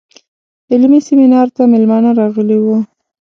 علمي سیمینار ته میلمانه راغلي وو.